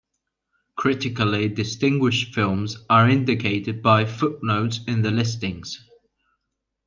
Critically distinguished films are indicated by footnotes in the listings.